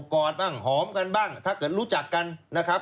กอดบ้างหอมกันบ้างถ้าเกิดรู้จักกันนะครับ